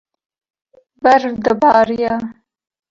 berf dibarîya